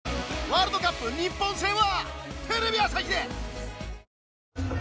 ワールドカップ日本戦はテレビ朝日で！